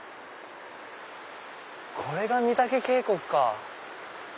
これが御岳渓谷か。